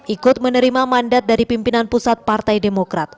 ikut menerima mandat dari pimpinan pusat partai demokrat